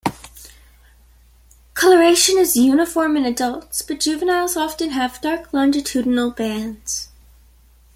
Coloration is uniform in adults, but juveniles often have dark longitudinal bands.